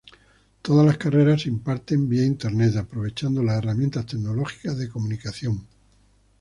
Todas las carreras se imparten vía Internet aprovechando las herramientas tecnológicas de comunicación.